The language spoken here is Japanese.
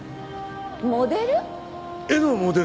モデル？